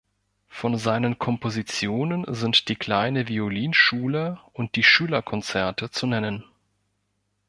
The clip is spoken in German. Von seinen Kompositionen sind die "Kleine Violinschule" und die "Schüler-Konzerte" zu nennen.